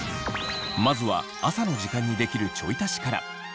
まずは朝の時間にできるちょい足しから。